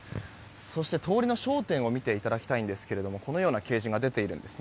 そして、通りの商店を見ていただきたいんですがこのような掲示が出ています。